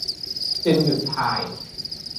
จึงหยุดถ่าย